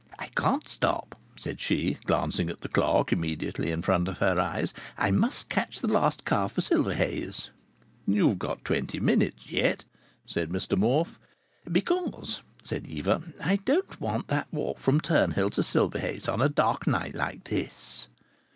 "I can't stop," said she, glancing at the clock immediately in front of her eyes. "I must catch the last car for Silverhays." "You've got twenty minutes yet," said Mr Morfe. "Because," said Eva, "I don't want that walk from Turnhill to Silverhays on a dark night like this."